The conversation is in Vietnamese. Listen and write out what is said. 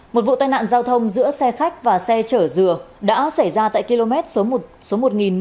một vụ tai nạn giao thông giữa xe khách và xe chở dừa đã xảy ra tại km số một nghìn một trăm hai mươi một bảy trăm ba mươi